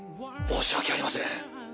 申し訳ありません。